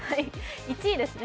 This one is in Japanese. １位ですね。